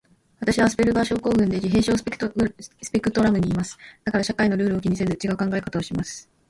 私はアスペルガー症候群で、自閉症スペクトラムにいます。だから社会のルールを気にせず、ちがう考え方をします。